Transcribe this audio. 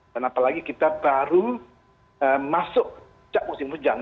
dan apalagi kita baru masuk sejak musim hujan